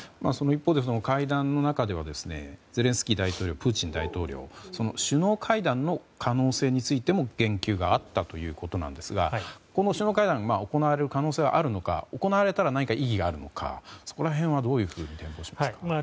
その一方で会談の中ではゼレンスキー大統領プーチン大統領首脳会談の可能性についても言及があったということですがこの首脳会談行われる可能性はあるのか行われたら意義があるのかそこら辺はどういうふうに展望しますか？